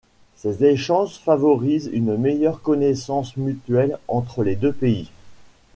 Ces échanges favorisent une meilleure connaissance mutuelle entre les deux pays.